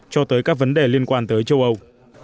cho tới các vấn đề liên quan tới châu âu